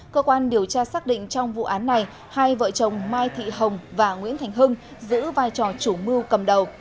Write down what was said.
cơ quan điều tra xác định trong vụ án này hai vợ chồng mai thị hồng và nguyễn thành hưng giữ vai trò chủ mưu cầm đầu